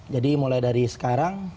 jadi mulai dari sekarang